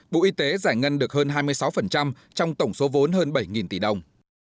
bộ y tế giải ngân được hơn hai mươi sáu trong tổng số vốn hơn bảy tỷ đồng